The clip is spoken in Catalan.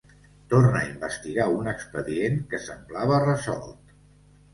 Torna a investigar un expedient que semblava resolt.